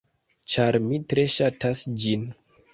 Ĉar mi tre ŝatas ĝin.